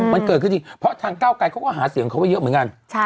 เพราะทางก้าวกายเขาก็หาเสียงเขาเยอะเหมือนกัน